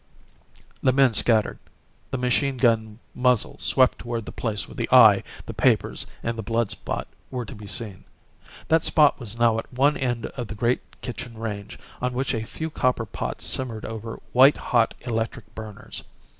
The men scattered. The machine gun muzzle swept toward the place where the eye, the papers, and the blood spot were to be seen. That spot was now at one end of the great kitchen range on which a few copper pots simmered over white hot electric burners.